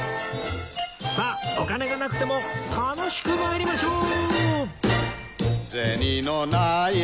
さあお金がなくても楽しく参りましょう！